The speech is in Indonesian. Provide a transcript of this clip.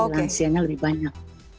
jadi lansianya lebih banyak